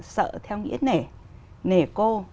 sợ theo nghĩa nể nể cô